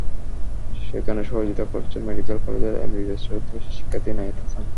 সেখানে সহযোগিতা করেছেন মেডিকেল কলেজের এমবিবিএস চতুর্থ বর্ষের শিক্ষার্থী নাহিদ হাসান।